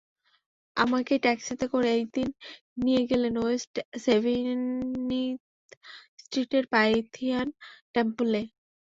আমাকে ট্যাক্সিতে করে একদিন নিয়ে গেলেন ওয়েস্ট সেভেন্টিথ স্ট্রিটের পাইথিয়ান টেম্পলে।